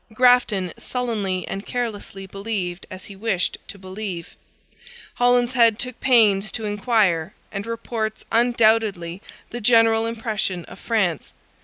Grafton sullenly and carelessly believed as he wished to believe; Holinshead took pains to inquire, and reports undoubtedly the general impression of France.